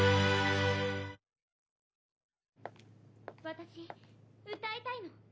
・「私歌いたいの」。